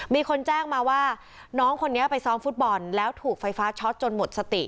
มีคนแจ้งมาว่าน้องคนนี้ไปซ้อมฟุตบอลแล้วถูกไฟฟ้าช็อตจนหมดสติ